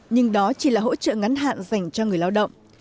nhưng đó chỉ là hỗ trợ ngắn hạn dành cho người lao động